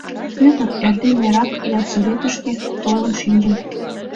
Пӧтыр эрден-эрак ялсоветышке толын шинчын.